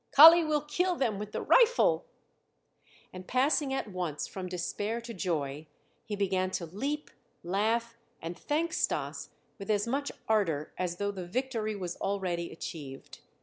"Kali will kill them with the rifle!" And passing at once from despair to joy, he began to leap, laugh, and thank Stas with as much ardor as though the victory was already achieved.